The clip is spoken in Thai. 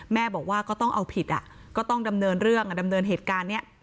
บอกว่าก็ต้องเอาผิดก็ต้องดำเนินเรื่องดำเนินเหตุการณ์นี้